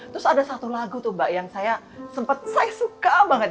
terus ada satu lagu tuh mbak yang saya sempat saya suka banget